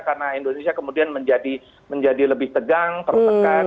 karena indonesia kemudian menjadi lebih tegang tertekan